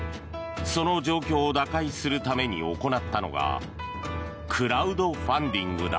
その状況を打開するために行ったのがクラウドファンディングだ。